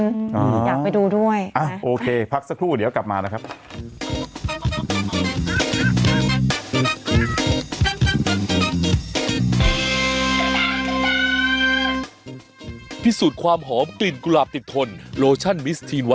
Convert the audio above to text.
อยากไปดูด้วยโอเคพักสักครู่เดี๋ยวกลับมานะครับ